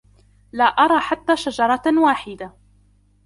لا أرى حتى شجرة واحدة.